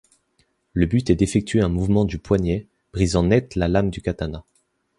Le but est d'effectuer un mouvement du poignet, brisant net la lame du katana.